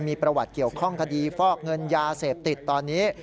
มีประวัติเกี่ยวข้องคดีฟอกเงินยาเสพติดตอนนี้